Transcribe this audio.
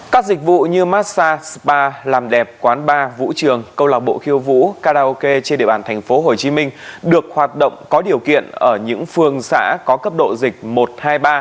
các dịch vụ như massage spa làm đẹp quán bar vũ trường câu lạc bộ khiêu vũ karaoke trên địa bàn thành phố hồ chí minh được hoạt động có điều kiện ở những phương xã có cấp độ dịch một hai ba